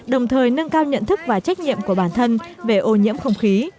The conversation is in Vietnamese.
đồng thời nâng cao nhận thức và trách nhiệm của bản thân về ô nhiễm không khí